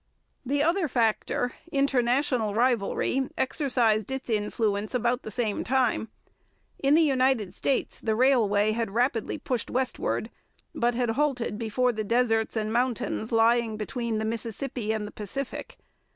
The other factor, international rivalry, exercised its influence about the same time. In the United States the railway had rapidly pushed westward, but had halted before the deserts and the mountains lying between the Mississippi and the Pacific.